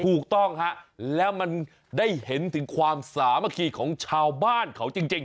ถูกต้องฮะแล้วมันได้เห็นถึงความสามัคคีของชาวบ้านเขาจริง